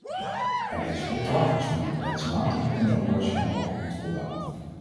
Aan deze opdracht is vanuit beleidsmatig en operationeel oogpunt voldaan.